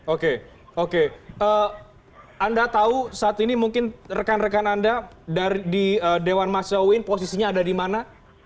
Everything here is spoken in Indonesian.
oke oke anda tahu saat ini mungkin rekan rekan anda di dewan masya uin posisinya ada di mana